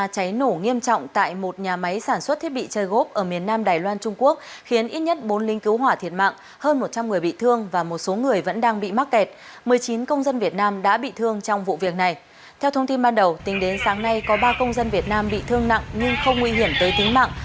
theo thông tin ban đầu tính đến sáng nay có ba công dân việt nam bị thương nặng nhưng không nguy hiểm tới tính mạng